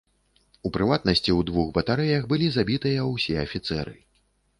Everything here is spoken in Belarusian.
У прыватнасці, у двух батарэях былі забітыя ўсе афіцэры.